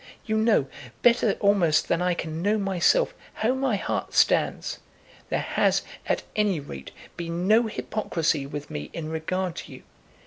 You know, better almost than I can know myself, how my heart stands. There has, at any rate, been no hypocrisy with me in regard to you.